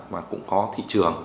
mà cũng có thị trường